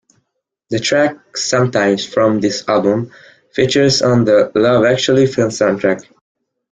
The track "Sometimes" from this album features on the "Love Actually" film soundtrack.